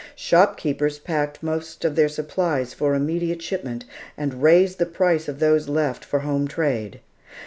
Shopkeepers packed most of their supplies for immediate shipment, and raised the price of those left for home trade.